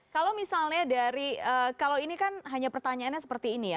kalau misalnya dari kalau ini kan hanya pertanyaannya seperti ini ya